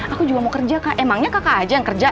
aku juga mau kerja kak emangnya kakak aja yang kerja